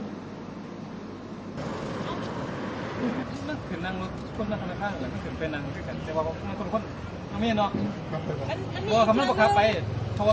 ได้ก็ได้จากอะไรก็ได้